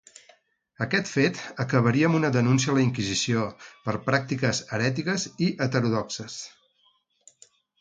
Aquest fet, acabaria amb una denúncia a la Inquisició per pràctiques herètiques i heterodoxes.